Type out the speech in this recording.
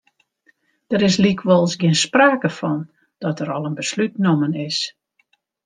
Der is lykwols gjin sprake fan dat der al in beslút nommen is.